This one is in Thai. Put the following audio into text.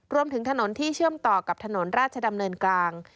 รวมถึงถนนที่เชื่อมต่อกับถนนราชดำเนินกลาง